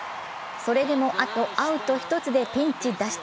それでもあとアウト１つでピンチ脱出。